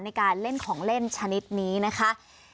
ในการเล่นของเล่นชนิดนี้นะคะ